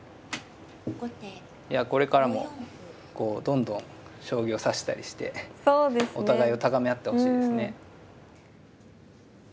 これからもどんどん将棋を指したりしてお互いを高め合ってほしいですね。